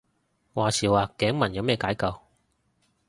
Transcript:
話時話頸紋有咩解救